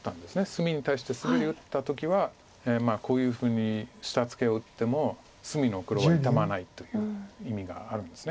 隅に対してスベリ打った時はこういうふうに下ツケを打っても隅の黒は傷まないという意味があるんです。